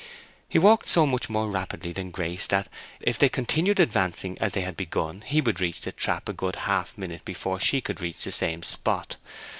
He walked so much more rapidly than Grace that, if they continued advancing as they had begun, he would reach the trap a good half minute before she could reach the same spot.